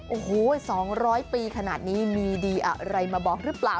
โอ้โห๒๐๐ปีขนาดนี้มีดีอะไรมาบอกหรือเปล่า